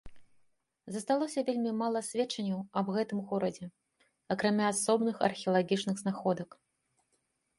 Засталося вельмі мала сведчанняў аб гэтым горадзе, акрамя асобных археалагічных знаходак.